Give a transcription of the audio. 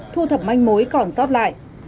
thu thập manh mối còn sót lại